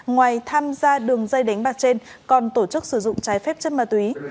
ngoài tham gia đường dây đánh bạc trên còn tổ chức sử dụng trái phép chất ma túy